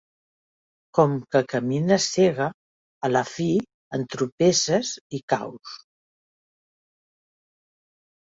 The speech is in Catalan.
Com que camines cega, a la fi entropesses i caus.